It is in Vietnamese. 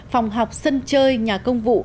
phòng học sân chơi nhà công vụ